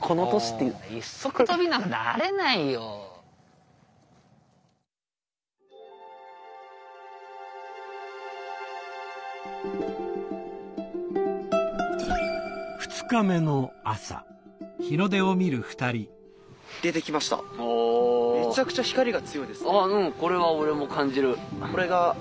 あうんこれは俺も感じる。